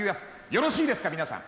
よろしいですか皆さん。